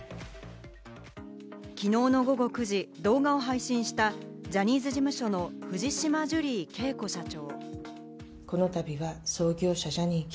昨日の午後９時、動画を配信したジャニーズ事務所の藤島ジュリー景子社長。